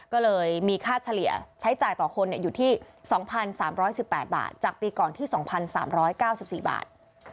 ก็เลยมีค่าเฉลี่ยใช้จ่ายต่อคนอยู่ที่๒๓๑๘บาทจากปีก่อนที่๒๓๙๔บาท